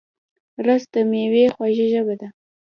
رس د مېوې خوږه ژبه ده